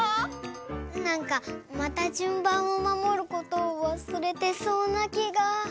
なんかまたじゅんばんをまもることをわすれてそうなきが。